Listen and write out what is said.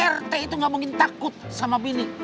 rt itu nggak mungkin takut sama bini